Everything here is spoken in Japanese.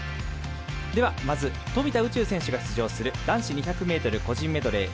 では、まず富田宇宙選手が出場する男子２００ｍ個人メドレー